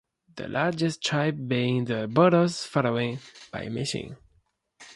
The largest tribe being the Bodos followed by Mishings.